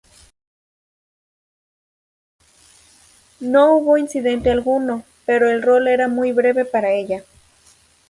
No hubo incidente alguno, pero el rol era muy breve para ella.